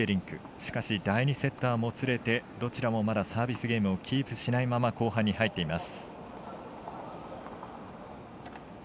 しかし、第２セットはもつれてどちらもまだサービスゲームをキープしないまま後半に入っています。